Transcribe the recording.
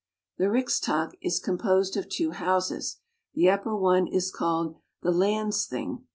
The Rigsdag is composed of two Houses. The upper one is called the Landsthing.